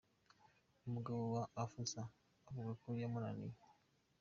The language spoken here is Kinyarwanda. Umugabo wa Afsa avuga ko yamunaniye.